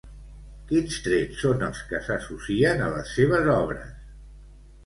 Quins trets són els que s'associen a les seves obres?